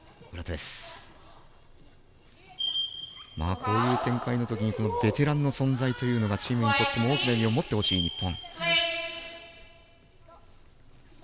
こういう展開のときにベテランの存在というのがチームにとっても大きな意味を持ってほしい、日本。